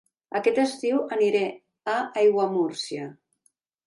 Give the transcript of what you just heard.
Aquest estiu aniré a Aiguamúrcia